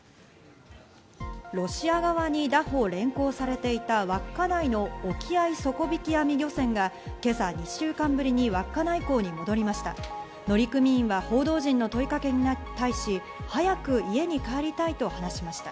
ロシア側にだ捕・連行されていた稚内の沖合底引き網漁船が今朝、２週間ぶりに稚内港に戻りました。